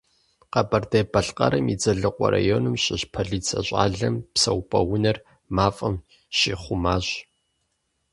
Къэбэрдей-Балъкъэрым и Дзэлыкъуэ районым щыщ полицэ щӏалэм псэупӀэ унэр мафӀэм щихъумащ.